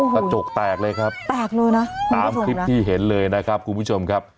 กระจกแตกเลยครับแตกเลยนะตามคลิปที่เห็นเลยนะครับคุณผู้ชมครับ